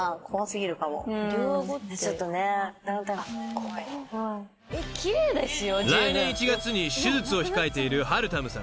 ［来年１月に手術を控えているはるたむさん］